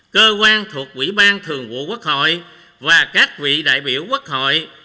cơ quan thuộc quỹ ban thường vụ quốc hội và các vị đại biểu quốc hội